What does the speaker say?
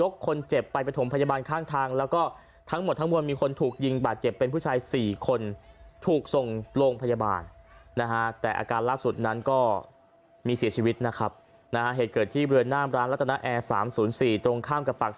เกาะนี้บาดเจ็บไปไปแล้วท่ายออกมาโท้ไปลงฝามคคม